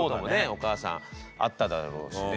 お母さんあっただろうしね。